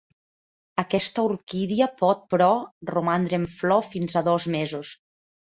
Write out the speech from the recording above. Aquesta orquídia pot, però, romandre en flor fins a dos mesos.